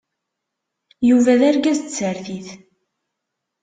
Yuba d argaz n tsertit.